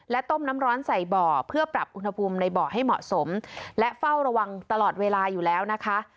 ต้มน้ำร้อนใส่บ่อเพื่อปรับอุณหภูมิในบ่อให้เหมาะสมและเฝ้าระวังตลอดเวลาอยู่แล้วนะคะ